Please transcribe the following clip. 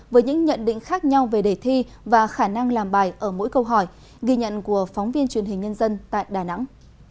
với những nhận định khác nhau về đề thi và khả năng làm bài ở mỗi câu hỏi ghi nhận của phóng viên truyền hình nhân dân tại đà nẵng